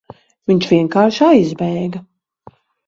Viņš vienkārši aizbēga.